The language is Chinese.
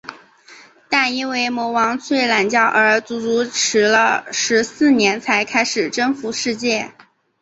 但因为魔王睡懒觉而足足迟了十四年才开始征服世界。